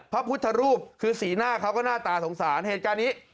พระพุทธรูปคือสีหน้าเขาก็หน้าตาสงสารเหตุการณ์นี้